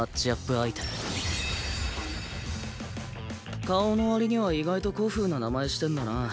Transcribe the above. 相手顔の割には意外と古風な名前してんだな。